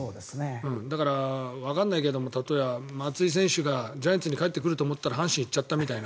だから、わかんないけど松井選手がジャイアンツに帰ってくると思ったら阪神に行っちゃったみたいな。